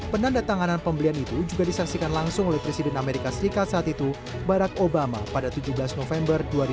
penanda tanganan pembelian itu juga disaksikan langsung oleh presiden amerika serikat saat itu barack obama pada tujuh belas november dua ribu dua puluh